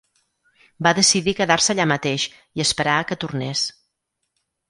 Va decidir quedar-se allà mateix i esperar a que tornés.